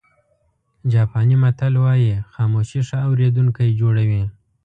جاپاني متل وایي خاموشي ښه اورېدونکی جوړوي.